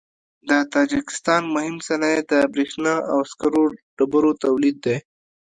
د تاجکستان مهم صنایع د برېښنا او سکرو ډبرو تولید دی.